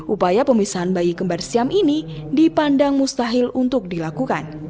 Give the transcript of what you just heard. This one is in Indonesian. upaya pemisahan bayi kembarsiam ini dipandang mustahil untuk dilakukan